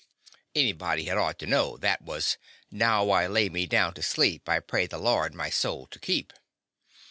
'' Anybody had ought to know that was: — "Now I lay me down to sleep, I pray the Lord my soul to keep.''